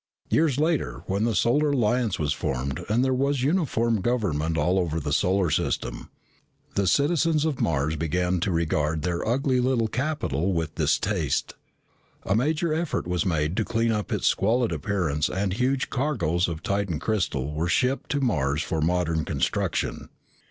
Years later, when the Solar Alliance was formed and there was uniform government all over the solar system, the citizens of Mars began to regard their ugly little capital with distaste. A major effort was made to clean up its squalid appearance and huge cargoes of Titan crystal were shipped to Mars for modern construction.